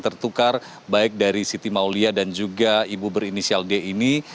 yaitu siti maulia dan juga ibu berinisial d ini